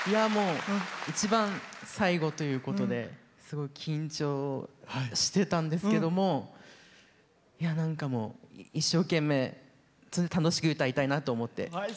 一番、最後ということですごい緊張してたんですけども一生懸命、楽しく歌いたいなと思って。